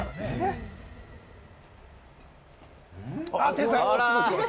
天才！